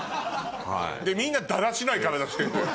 でみんなだらしない体してんのよ。